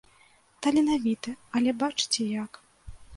Таленавіты, але бачыце як.